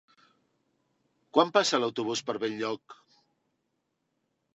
Quan passa l'autobús per Benlloc?